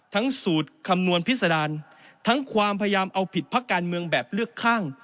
สูตรคำนวณพิษดารทั้งความพยายามเอาผิดพักการเมืองแบบเลือกข้าง